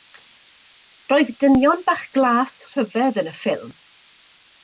Roedd dynion bach glas rhyfedd yn y ffilm.